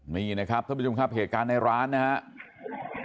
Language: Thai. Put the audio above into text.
นี่นะครับท่านผู้ชมครับเหตุการณ์ในร้านนะครับ